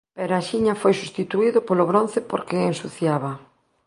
Pero axiña foi substituído polo bronce porque ensuciaba.